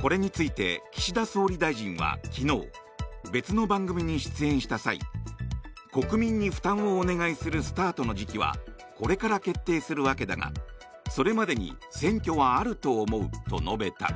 これについて岸田総理大臣は昨日別の番組に出演した際国民に負担をお願いするスタートの時期はこれから決定するわけだがそれまでに選挙はあると思うと述べた。